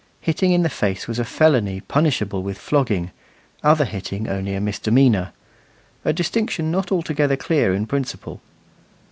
Hitting in the face was a felony punishable with flogging, other hitting only a misdemeanour a distinction not altogether clear in principle.